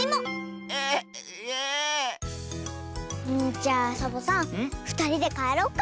じゃあサボさんふたりでかえろっか。